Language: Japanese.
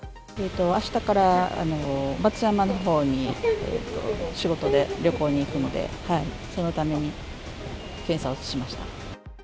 あしたから松山のほうに仕事で旅行に行くので、そのために検査をしました。